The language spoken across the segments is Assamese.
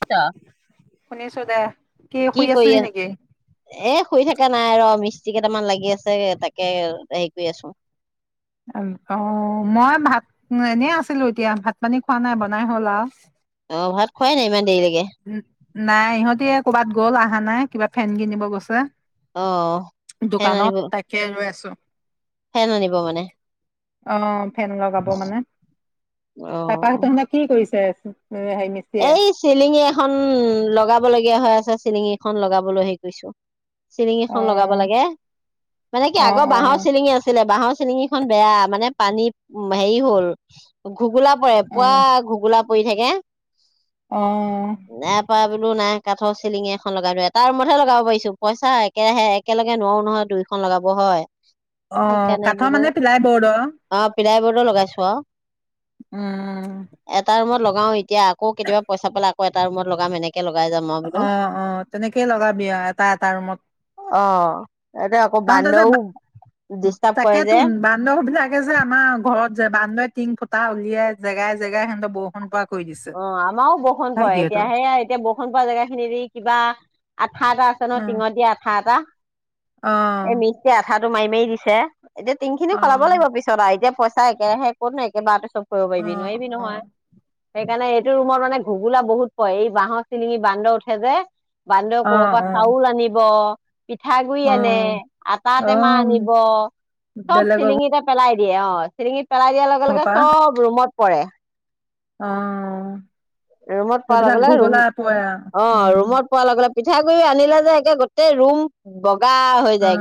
[unintelligible] শুনিছো দে কি শুই কৰি আছিলি আছ? নেকি? এ' শুই থকা নাই ৰ ' মিস্ত্ৰী কেইটামান লাগি আছে তাকে, হেৰি কৰি আছো। অহ, মই ভাত এনেই আছিলো এতিয়া ভাত ভাত পানী খোৱা নাই বনাই হ'ল আও। খুৱাই নাই ইমান দেৰি লৈ? [inaudible] নাই, ইহঁতি ক'বাত গ'ল আহা নাই কিবা ফেন কিনিব গৈছে। অ ফেন দোকানত আনিব তাকে ৰৈ আছো। ফেন আনিব মানে? অহ ফেন লগাব মানে তাৰপা অ। তহঁতক কি কৰিছে? [inaudible] [unintelligible] খন লগাব লগীয়া হৈ আছে চিলিঙিএখন লগাবলৈ হে কৈছোঁ। চিলিঙ অ এখন লগাব লাগে মানে কি অ আগৰ অ বাঁহৰ চিলিঙ আছিলে বাঁহৰ চিলিঙকেইখন বেয়া, মানে পানী উম হেৰি হল। ঘুগোলা পৰে, পুৱা ঘুগোলা পৰি থাকে। অহ লো নাই কাঠৰ চিলিঙি এখন লগাই এটা ৰুমতহে লগাব পাৰিছো। পইচা একেৰাহে একেলগে নোৱাও নহয় দুইখন লগাব হয়। অহ, সেইকাৰণে কাঠৰ বোলো মানে পিলাই বৰ্ডৰ? অ পিলাই লগাইছো আও। উম অহ, সে এতিয়া আকৌ কেতিয়াবা পইচা পালে কৌ এটা ৰুমত লগাম এনে অহ -অহ তেনেকেই লগাবি আৰু এটা -এটা ৰুমত। অ এতিয়া আকৌ তহঁতে যে বান্দৰও [inaudible] ডিষ্টাৰ্ব কৰে তাকেতো যে বান্দৰ বিলাকে যে আমাৰ ঘৰত যে বান্দই টিং ফুটা উলিয়াই জেগাই -জেগাই সিহঁত ব অহ, আমাৰো বৰষুণ পৰে এতিয়া ভাইটিহঁতৰ সেয়া এতিয়া বৰষুণপৰা জেগাত খিনিত ই কিবা আ আঠা এটা আছে ন' উম, টিঙত দিয়া আঠা এটা অ এই মিষ্ট্ৰী আঠা টো মাই মাই দিছে। এতিয়া তিংখিনি অ সলাব লাগিব পিছত আও এতিয়া পইচা একে সে কতনো একে বাৰতে চব কৰিব অ অ পাৰিবি? নোৱাৰিবি নহয়। সেইকাৰণে এইটো ৰুমত মানে ঘুগোলা বহুত পৰে। এই বাঁহৰ চিলিঙি বান্দৰ উঠে যে। বান্দৰে অ কৰ'বাৰ পৰা চাউল আনিব পিঠাগুৰি অ অ আনে, আটা অ টেমা উম, আনিব। চব বেলেগৰ চিলিঙিতে পেলাই দিয়ে অ চিলিঙিত পেলাই দিয়াৰ লগে- ঘৰৰ লগে পৰা চব ৰুমত পৰে। অ। ৰুমত পৰা সেইবিলাক লগে-লগে, ৰুম ঘুগলা পৰে আৰু অ উম ৰুমত পৰা লগে পিঠাগুড়ি আনিলে যে একে গোটেই ৰুম বগ অ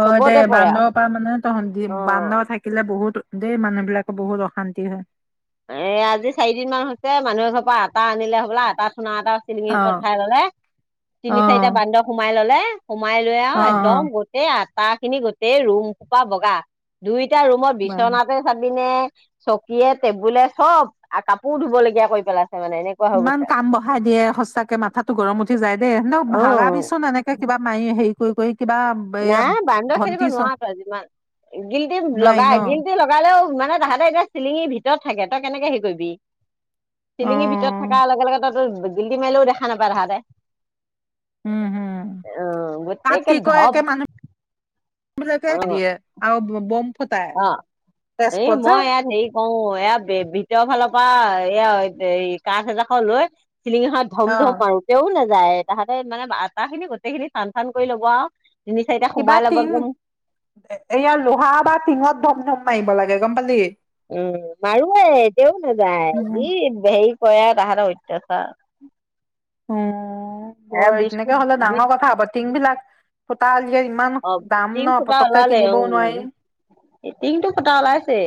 হয় দে। চবতে পৰে আৰু বান্দৰৰ পৰা মানে তহ অ', বান্দৰ থাকিলে বহুত দেই মানুহ বিলাকে বহুত অশান্তি হয়। এ আজি চাৰিদিন মান হৈছে মানুহে এ ঘৰৰ পৰা আটা আনিলে হবলা আটা আটা চিলিঙিৰ অ ওপৰত উঠাই ললে। অ তিনি-চাৰিটা বান্দৰ সোমাই ললে সোমাই লৈ আও অ অ একদম গোটেই আট তাহ খিনি গোটেই ৰুম খোপা বগা। দুই এতিয়া ৰুমত বাৰু বিচনাতে চাবিনে চকীয়েত টেবুলে চব আৰু কাপোৰ ধুব লগীয়া কৰি পেলাইছে। মানে এনেকুৱা হৈ ইমান গৈছে কাম বঢ়াই দিয়ে সঁচাকে মাথাতো গৰম উঠি যায়। দে ন অ ভাগাবিচোন এনেকে কিবা মায়ি হে কৈ- কৈ নাই বান্দৰ খেদিব নোৱাৰ তো যিমান গিলটি নোৱাৰি ন লগাই গিল্টি লগালেও মানে তাহাঁতে এতিয়া চিলিঙিৰ ভিতৰত থাকে। তই কেনেকে হেৰি কৰিবি। অ চিলিঙিৰ ভিতৰত থকা অ লগে- লগে ত গিলটি মাৰিলেও দেখা নাপায় তাহাঁতে। উম হম অ গোটেই তাত কি একে কয় ধপ মানুহ বিলাকে অ', দিয়ে আৰু বম ফুটাই অ, এই তেজপুৰত যে মই ইয়াত হেৰি কৰো। এয়া ভিতৰৰ ফালৰ এ এই কাছ এডখ লৈ। চিলিং খনত ধম অ ধম মাৰো তেও না। যাই তাহাঁতে মানে আটা খিনি গোটেই খিনি চান চান কৰি ল'ব আৰু। তিনি চাৰিটা কিবা সোমাই ল'ব টিং একদম এয়া লোহা বা টিঙত ধম। ধম মাৰিব লাগে গম পালি। উম মাৰোয়ে তেও নযায় যি সেৰি। কয় আও তাহাতক অত্যাচাৰ। অঁ। বৰ এ বিস্কুট তেনেকে হ'লে বি ডাঙৰ কথা হ'ব টিং বিলাক। সোতাল। অ, টিং ফুটা ওলালে উম নোৱাৰি টিং টো ফুটা ওলাইছে।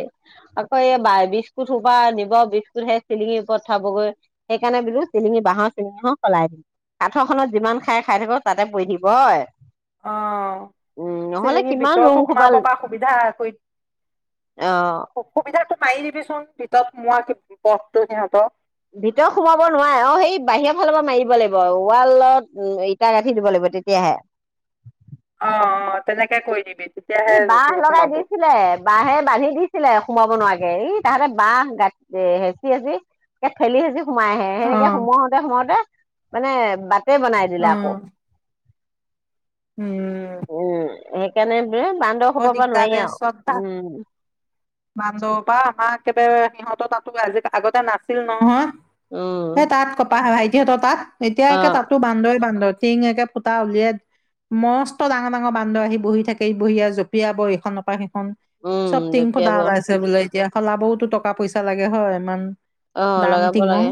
হয় এই বিস্কুট সোপা নিব বিস্কুট সেই চিলিঙিৰ ওপৰত থবগৈ, সেইকাৰণে বুলো চিলিঙি বাঁহৰ চিলিঙি সলাই দিম কাঠৰখনত যিমান খাই খাই থাকো তাতে পৰি থাকিব হয়। অ উম নহ'লে চিলিঙিৰ কিমান ৰুম ভিতৰতো সোপা সোমাব পৰা সুবিধা কৰি অ সুবিধাটো। পাৰি দিবি চোন ভিতৰত সোমোৱা পথটো সিহঁতৰ। ভিতৰ সোমাব নোৱাৰে অ, সেই বাহিৰৰ ফালৰ পৰা মাৰিব লাগিব ৱালত ইটা গাঁঠি দিব লাগিব তেতিয়াহে। অ অ তেনেকে কৈ দিবি। তেতিয়াহে এই বাহ লগাই নোসোমাব অ দিছিলে বাঁহে বান্ধি দিছিলে সোমাব নোৱাৰা ই তাহতে বাহ গা এ হেঁচি হেঁচি ঠেলি হেঁচি। সোমাই আহে অ সেনেকে সোমোওঁতে সোমওঁতে। মানে বা। টে বনাই দিলে আকৌ। উম। উম, সেইকাৰণে। বে বান্দৰ ব সোপা পৰা দিগদাৰ নোৱাৰি দেই আও। শ্ৰদ্ধা উম, বান্দৱ বা আমাক। একেবাৰে সিহঁত তাতো আজি আগতে নাছিল নহয়। উম, সে তাত কপাহ ভৱাই। সিহঁতৰ তাত। এতিয়াে একে অ', তাতো বান্দই বান্দ। টিঙ একে পুটা উলিয়াই, মস্ত ডাঙৰ ডাঙৰ বান্দৰ আহি বহি থাকে বহি আৰু জ। জপিয়াব ইখনৰ পৰা সি। খন উম, চব টিং ফুটা জঁপিয়াব ওলাইছে বোলে। এতিয়া সলাবওতো টকা পইচা লাগে হয় ইমান। অ', দাম লগাব তিঙো লাগে।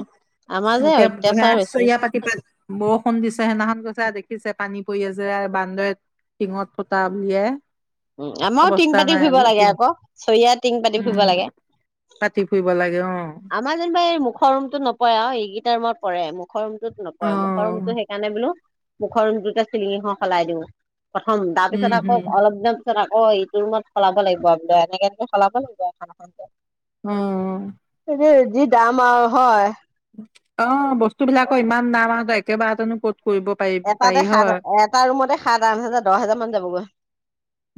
আমাৰ যে এতিয়া অত্যাচাৰ বেছি। চয়া পাতি প বৰষুণ দিছে সেইদিনাখন গৈছে দেখিছে পানী পৰি আছে বান্দৈত টিঙত ফুটা বুলিয়ে উ আমাৰো টিং পাতি ফুৰিব লাগে আকৌ চৰিয়া টিং পাতি ফুৰিব উম লাগে। পাতি ফুৰিব লাগে অ আমাৰ যেনিবা এই মুখৰ ৰুমতো নপৰে আৰু ইগিটাৰ [unintelligible] পৰে মোক মুখৰ ৰুমটোত অ নপৰে মুখৰ ৰুমটো সেইকাৰণে বোলোঁ মুখৰটো চিলিঙিখন সলাই দিওঁ। প্ৰথম তাৰপিছত উম আকৌ হম অলপ দিম তাৰ পিছত আকৌ ইটো ৰুমত সলাব লাগিব আ বোলোঁ এনেকে সলাব লাগিব এখন এখন কে। উম! যি দাম আৰু হয়। অ বস্তু বিলাকৰ ইমান দাম আও যে একেবাৰতেনো ক'ত কৰিব পাৰি পাৰি এটাতে সাত হয় এটা ৰুমতে সাত আঠ হাজাৰ বাৰ হাজাৰ মান যাবগৈ।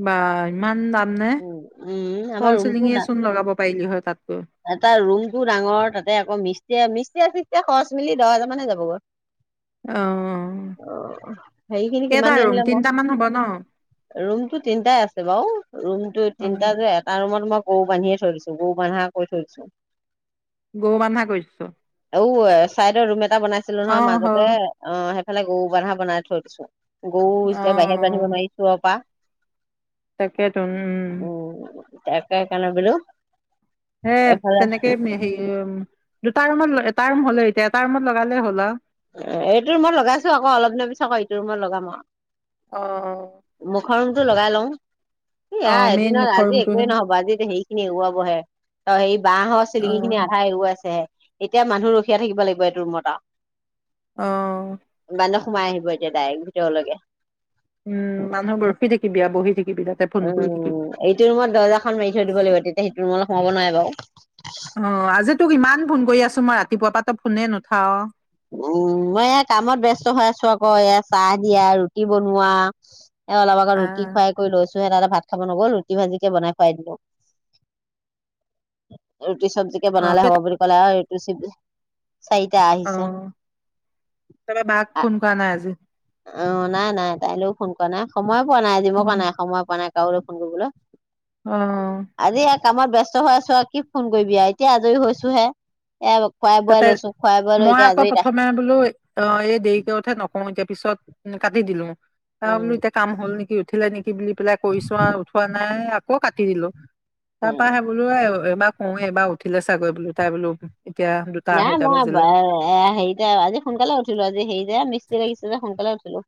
বা ইমান দাম নে উম! উম! ফল আমাৰ ৰুমটো চিলিঙিয়ে চোন লগাব পাৰিলি হয় তাতকৈ এটা ৰুমটো ডাঙৰ তাতে আকৌ মিষ্টয়ে মি এতিয়া তেতিয়া খৰচ মিলি দহ হোজাৰ মানে যাব গ' অ অ হেৰিখিনি কেইটা কিমান দি ৰুম আনিলে মই তিনটামান হ'ব ন ৰুমটো তিনটাই আছে বাও ৰুমটো অ তিনিটা যে এটা ৰুম ত মই গৰু বান্ধিয়ে থৈ দিছোঁ গৰু বান্ধা কৰি থৈছোঁ। গৰু বান্ধা কৰিছ আও চাইডৰ ৰুম এটা বনাইছিলে অ নহয় মাজতে হ'ল অ এফালে গৰু বান্ধা বনাই থৈ দিছোঁ। গৰু অ এতিয়া বাহিৰ অ বান্ধিব নোৱাৰি চোৰৰ পা। কেই উম! একে কলে বোলোঁ। হে তেনেকে যে সিও দুটা ৰুমত এটা ৰুম হলে এতিয়া এটা ৰুমত লগালে হ'ল আ এইটো ৰুমত লগাইছো আকৌ অলপ দিনৰ পিছত আকৌ এইটো ৰুমত লগাম আৰু। অহ! খৰঙটো লগাই লং এয়া মেইন এদিনত মুখৰ আজি একোৱে ৰুমটোহে নহব আজি সেই খিনি এৰুৱাবহে। [unintelligible] অ--এই বাঁহৰ অ চিলিঙি খিনি আধা এৰুৱাইছে হে। এতিয়া মানুহ ৰখিয়া থাকিব লাগিব, এইটো ৰুমত আও। অঁ! বান্দৰ সোমাই আহিব এতিয়া ডাইৰেক্ট ভিতৰলৈকে। উম মানুহবোৰ ৰখি থাকিবি আও, বহি থাকিবি তাতে। ফোন কৰি থাকিবি উম এইটো ৰুমত দৰ্জাখন মাৰি থৈ দিব লাগিব। তেতিয়া সেইটো ৰুমত ৰুমলে সোমাব নোৱাৰে বাৰু। অঁ! আজি তোক ইমান ফোন কৰি আছোঁ মই ৰাতিপুৱা পৰা ত‌ই ফোনে নুঠাৱ? উম মই এ কামত ব্যস্ত হৈ আছোঁ আকৌ এয়া চাহ দিয়া, ৰুটি বনোৱা। এ অলপ আগত ৰুটি আহ খুৱাই কৰি লৈছোঁ। তো তাতে ভাত খাব নগ'ল ৰুটি ভাজিকে বনাই খুৱাই দিলোঁ ৰুটি-চৱজি কে অ বনালে হব বুলি ক'লে আৰু ৰেচিবি চাৰিটা অ আহিছে। তাৰপৰা বাক ফোন কৰা নাই আজি? অ! নাই-নাই তাইলৈও ফোন কৰা নাই, সময় বনাই দিব বনাই বনাই কৰো লে ফোন কৰিবলে অঁ! কামত ব্যস্ত হৈ আছোঁ আৰু কি ফোন কৰিবি আও এতিয়া আজৰি হৈছোঁ হে। এ খুৱাই বোৱাই তাতে লৈছো খুৱাই বোৱাই লৈ মই এতিয়া আকৌ আজৰি তাই। প্ৰথমে বোলো এই দেৰিকে উঠে নকওঁ এতিয়া। পিছত কাটি দিলোঁ। তাৰ বোলো উম এতিয়া কাম হ'ল নেকি? উঠিলে নি বুলি পেলাই কৰিছোঁ আও উঠোৱা নাই আ ক'ত কাটি দিলোঁ? তাৰপা উম সে বোলো বাৰ ক‌ওঁৱে এইবাৰ উঠিলে চাগৈ বোলো, তাই বোলো এতিয়া দুটা নাই আঢ়ৈটা মই বাজিলে হেৰিতে আজি সোনকালে উঠিলোঁ, আজি হেৰি যে মিস্তি লাগিছে যে, সোনকালে উঠি হ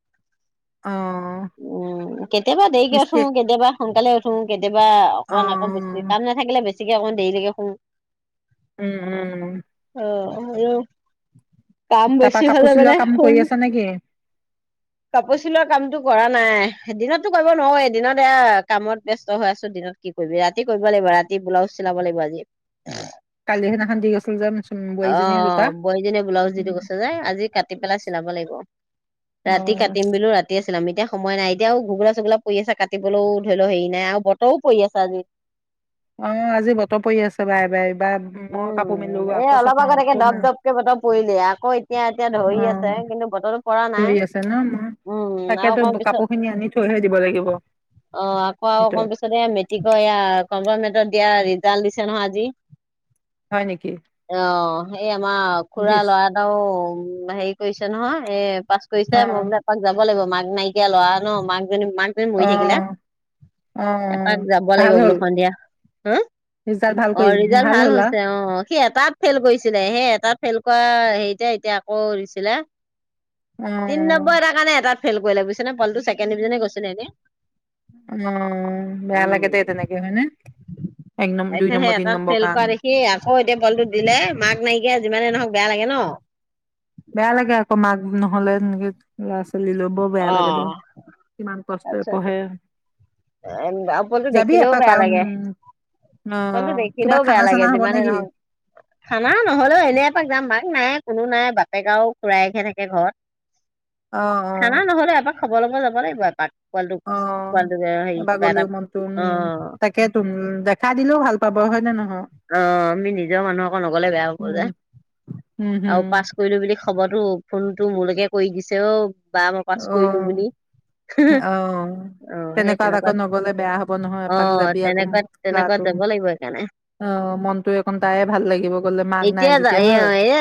অ [unintelligible] উম! কেতিয়াবা দেৰিকে উঠো, মিস্ত্ৰী কেতিয়াবা সোনকালে উঠো উঠো কে কেতিয়া অ অকণমান আকৌ বেছি, কাম নাথাকিলে বেছি গতিকে অকণ দেৰিলৈকে শুওঁ উম উম অ কাম তাপা বেছি হলে কাপোৰ মানে চিলোৱা কাম শুন কৰি আছ নেকি কাপোৰ চিলোৱা কামতটো কৰা নাই দিনততো কৰিব নোৱাৰয়েই দিনত এয়া কামত ব্যস্ত হৈ আছো দিনত কি কৰিবি ৰাতি কৰিব লাগিব ৰাতি ব্লাউজ চিলাব লাগিব আজি। আহ কালি সেইদিনাখন দি গৈছিল যে চুম- বোৱাৰীজনীয়ে জোতা বোৱাৰীজনীয়ে ব্লাউজ দিথৈ গৈছে যে। আজি কাটি পেলাই চিলাব লাগিব। ৰাতি অ', কাটিম বুলিও ৰাতিয়ে ছেলাম এতিয়া সময় নাই। এতিয়াও ঘুগোলা চুগোলা পৰি আছে কাটিবলৈও ধৰি লও হেৰি নাই আৰু বতৰো পৰি আছে আজি। অ আজি বতৰ পৰি আছে বাৰে বাৰে। উম, এ অলপ আগত একে আকৌ দপ মাৰো দপকে বতৰ পৰিলে। আকৌ এতিয়া এতিয়া ধৰি আছে, অ', কিন্তু বতৰটো পৰা নাই। ধৰি আছে ন মই উম আৰু তাকেতো অকণ পিছত, কাপোৰ খিনি আনি থৈহে দিব লাগিব অ আকৌ আৰু অক ভিতৰত পিছত এ মেটিক এয়া কম্পাল দিয়া ৰিজাল্ট দিছে নহয় আজি। হয় নেকি অ সেই আমাৰ খুড়া দিছ ল'ৰা এটাও হেৰি কৰিছে নহয় এ পাছ কৰিছে মই অ', বোলে এপাক যাব লাগিব। মাক নাইকিয়া ল'ৰা ন মাক মাকজনী মৰি অ', থাকিলে। অ', অ এপাক যাব লাগিব ভাল বোলো হ'ল সন্ধিয়া। হ! ৰিজাল্ট ভাল অ কৰি ৰিজাল্ট ভাল হ'ল আৰু হৈছে, অ। সি এটাত ফেইল কৰিছিলে সেই এটাত ফেইল কৰা হেৰিতে এতিয়া আকৌ দিছিলে। তিন অ', নম্বৰ এটাৰ কাৰণে এটাত ফেইল কৰিলে বুজিছে নে? পোৱালীটো ছেকেড ডিভিজনে গৈছিলে এনে। অ, বেয়া লাগে দে উম। তেনেকে হয় নে? এক নম্বৰ দুই নম্বৰ তিনি নম্বৰ দূখ কৰা কাৰণে দেখি আকৌ এতিয়া পোৱালিটো দিলে, মাক নাইকিয়া যিমানে নহওঁক বেয়া লাগে ন! বেয়া লাগে আকৌ মাক নহ'লে এনেকে ল'ৰা ছো তুলি লবও বেয়া লাগে দে। অ', কষ্টৰে পঢ়ে। পোৱালীটো যাবি দেখিলেও এপাক বেয়া আও লাগে, উম অ পোৱালীটো কিবা দেখিলেও বেয়া খানা লাগে, চানা হব যিমানে নেকি নহওক। খানা নহলেও এনে এপাক যাম মাক নায়ে কোনো নাই বাপেক আৱ খুঢ়াইকহে থাকে ঘৰত। অ অ। খানা নহলেও এপাক খবৰ লব যাব লাগিব এপাক। অ পোৱালীটোক। এবাৰ গলেও মনতো উম, তাকেতো উম, দেখা দিলেও ভাল পাব হয় নে নহয়? অ, আমি নিজৰ মানুহ আক' নগলে বেয়া পাব উম যে। উম আৰু হম পাছ কৰিলোঁ বুলি খবৰটো ফোনটো মোলৈকে কৰি দিছে, অ বা মই পাছ অ কৰিলোঁ বুলি। অ অ সেই আকৌ তেনেকুৱাত, নগলে বেয়া হব নহয় অ এপাক যাবি আকৌ তেনেকুৱাত, ল'ৰাটো তেনেকুৱাত যাব লাগিব সেইকাৰণে। অ, মনতো অকন তাৰে ভাল লাগ [unintelligible] এতিয়া এয়া, এয়া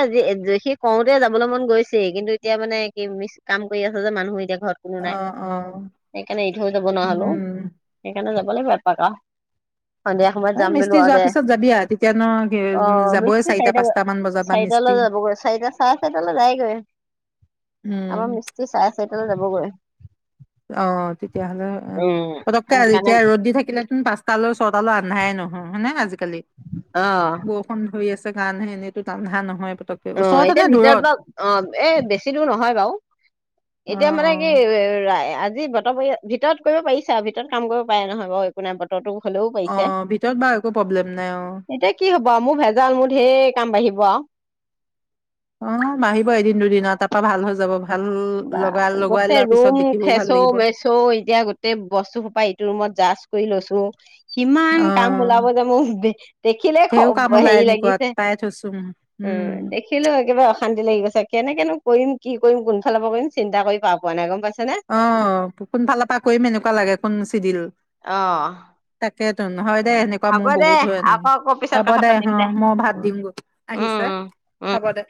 সি কওঁতে যাবলৈ মন গৈছে। কিন্তু এতিয়া মানে। কি মিছ কাম কৰি আছে যে, মানুহে এতিয়া। ঘৰত কোনো অ নাই, অ সেইকাৰণে এৰি থৈ যাব নোৱাৰা হ'লোঁ। উম সেইকাৰণে যাব [unintelligible] এপাক আৰু। সন্ধিয়া সময়ত এ যাম বোলো মিস্ত্ৰী আৰু যোৱাৰ দে পিছত যাবি আও। তেতিয়া অ ন উ যাবই। মিস্ত্ৰী চাৰিটা, পাঁচটা মান বজাত বা মিস্ত্ৰী চাৰিটালৈ যাবগৈ। চাৰিটা, চাৰে-চাৰিটালৈ যায়গৈ। উম আমাৰ মিস্ত্ৰী চাৰে-চাৰিটালৈ যাবগৈ। অ' তেতিয়াহ'লে অ', উম পটককে আৰু সেইকাৰণে যেতিয়া ৰ'দ দি থাকিলে। পাঁচটালৈ, ছয়টালৈ আন্ধাৰে নহয়। হয়নে? আজি। কালি, অ বৰষুণ ধৰি আছে। গানহে, এনেইটো আন্ধাৰ নহয়। পতককে অ' ওচৰতে এতিয়া নে ভিতৰত দূৰত? বা, অ' এ বেছি দূৰ নহয় বাৰু! এতিয়া অ', মানে কি! অ', [unintelligible] যি বতৰ পৰি, ভিতৰত কৰিব পাৰিছা। আৰু ভিতৰত কাম কৰিব পাৰে নহয় বাৰু! একো নাই বতৰতো। হ'লেও পাৰিছে। অ', ভিতৰত বাৰু একো প্ৰব্লেম নাই অ', এতিয়া কি হ'ব আৰু! মোৰ ভেজাল, মোৰ ঢেৰ কাম বাঢ়িব। ৱাহ। অ' বাঢ়িব। এদিন-দুদিন আৰু, তাৰ পৰা ভাল হৈ যাব। ভাল বা লগা লগাই গোটেই লোৱাৰ পিছত ৰুম দেখিবও ভাল লাগিব। খেচৌ-মেচৌ এতিয়া গোটেই বস্তুসোপা ইটো ৰুমত জাষ্ট। কৰি লৈছো। কিমান কাম অ', ওলাব যে, মোক দেখিলে ধেও কাম ওলাই হেৰি এনেকুৱাত লাগিছে। পাই থৈছো উম দেখিলেও একেবাৰে অশান্তি লাগি গৈছে, কেনেকেনো কৰিম? কি কৰিম, [unintelligible] কোনফালৰ পৰা কৰিম? চিন্তা কৰি পাৰ পোৱা নাই গম পাইছা? অ' কোনফালৰ পৰা কৰিম এনেকুৱা লাগে। কোন চিদিল। অ'। নহয় অ, দে, এনেকুৱা হ'ব মোৰ দে বহুত হয় এনে। আকৌ আকৌ পিছত হ'ব কথা দে পাতিম অ'। মই ভাত উম দিম গৈ, আহিছে উম হ'ব দে।